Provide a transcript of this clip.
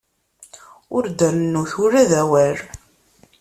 Ur d-rennut ula d awal.